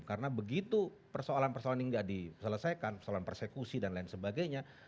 karena begitu persoalan persoalan ini tidak diselesaikan persoalan persekusi dan lain sebagainya